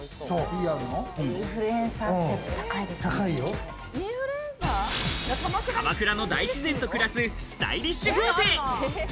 インフルエンサー説、高いで鎌倉の大自然と暮らすスタイリッシュ豪邸。